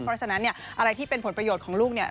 เพราะฉะนั้นเนี่ยอะไรที่เป็นผลประโยชน์ของลูกเนี่ย